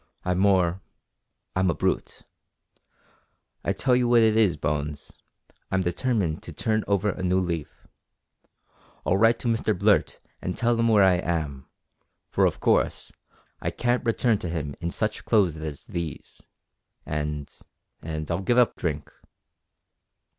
I'm more I'm a brute. I tell you what it is, Bones, I'm determined to turn over a new leaf. I'll write to Mr Blurt and tell him where I am, for, of course, I can't return to him in such clothes as these, and and I'll give up drink."